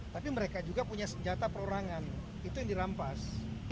tapi mereka juga punya senjata perorangan itu yang dirampas